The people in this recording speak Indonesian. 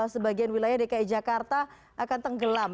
sebagian wilayah dki jakarta akan tenggelam